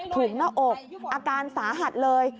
ถูกหน้าอกอาการสาหัสเลย